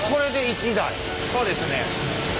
そうですね。